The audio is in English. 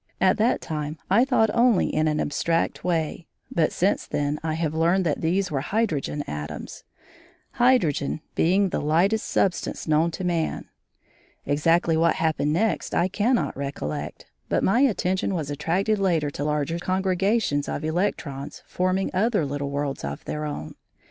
At that time I thought only in an abstract way, but since then I have learned that these were hydrogen atoms; hydrogen being the lightest substance known to man. Exactly what happened next I cannot recollect, but my attention was attracted later to larger congregations of electrons forming other little worlds of their own.